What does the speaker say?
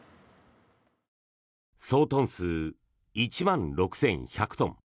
総トン数１万６１００トン。